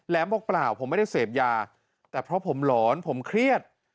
บอกเปล่าผมไม่ได้เสพยาแต่เพราะผมหลอนผมเครียด